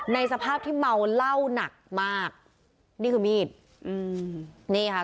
ในสภาพที่เมาเหล้าหนักมากนี่คือมีดอืมนี่ค่ะ